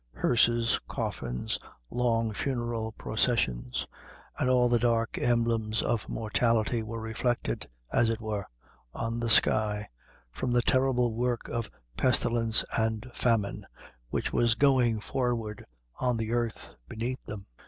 Hearses, coffins, long funeral processions, and all the dark emblems of mortality were reflected, as it were, on the sky, from the terrible work of pestilence and famine, which was going forward on the earth beneath them.